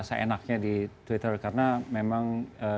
seenaknya di twitter karena memang